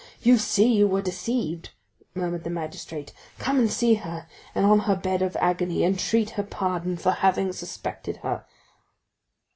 "You see you were deceived," murmured the magistrate; "come and see her, and on her bed of agony entreat her pardon for having suspected her."